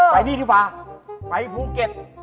ไปนี่ดีกว่าไปภูเก็ต